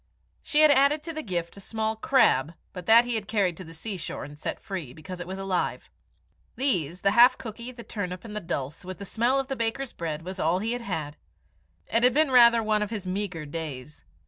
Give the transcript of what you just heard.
She had added to the gift a small crab, but that he had carried to the seashore and set free, because it was alive. These, the half cookie, the turnip, and the dulse, with the smell of the baker's bread, was all he had had. It had been rather one of his meagre days.